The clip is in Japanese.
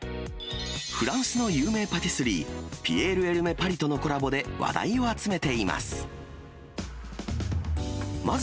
フランスの有名パティスリー、ピエール・エルメ・パリとのコラボで話題を集めています。